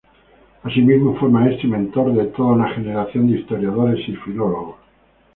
Asimismo fue maestro y mentor de toda una generación de historiadores y filólogos.